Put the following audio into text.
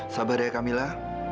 sabar ya kamilah